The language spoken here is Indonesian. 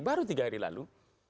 baru tiga hari lalu